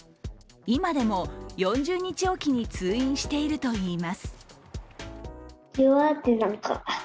今でも４０日おきに通院しているといいます。